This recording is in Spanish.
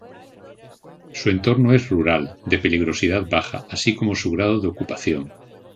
Su entorno es rural, de peligrosidad baja así como su grado de ocupación.